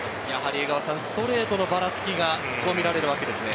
ストレートのばらつきが見られるわけですね。